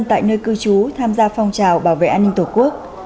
tại nơi cư trú tham gia phong trào bảo vệ an ninh tổ quốc